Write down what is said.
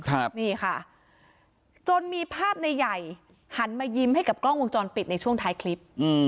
ครับนี่ค่ะจนมีภาพในใหญ่หันมายิ้มให้กับกล้องวงจรปิดในช่วงท้ายคลิปอืม